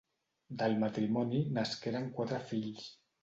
Del matrimoni nasqueren quatre fills: